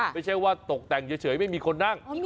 ไม่ใช่ว่าตกแต่งเฉยไม่มีคนนั่ง